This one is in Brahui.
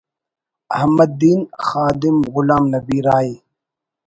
احمد دین خادم غلام نبی راہی